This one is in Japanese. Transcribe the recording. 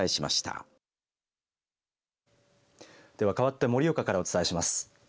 では、かわって盛岡からお伝えします。